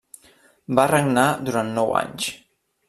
Va regnar durant nou anys.